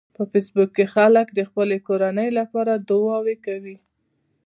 په فېسبوک کې خلک د خپلو کورنیو لپاره دعاوې کوي